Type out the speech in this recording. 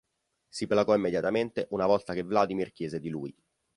Si placò immediatamente una volta che Vladimir chiese di lui.